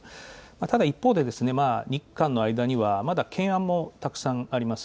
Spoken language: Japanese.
ただ一方で、日韓の間には、まだ懸案もたくさんあります。